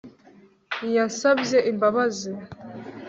Yansabye imbabazi